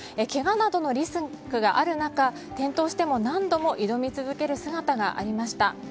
けがなどのリスクがある中転倒しても何度も挑み続ける姿がありました。